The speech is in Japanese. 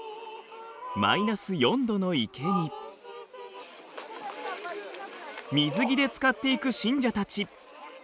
マイナス４度の池に水着でつかっていく信者たち。